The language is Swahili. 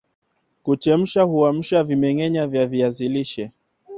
Kuchemsha huamsha vimengenya vya viazi lishe